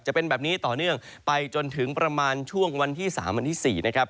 จะเป็นแบบนี้ต่อเนื่องไปจนถึงประมาณช่วงวันที่๓วันที่๔นะครับ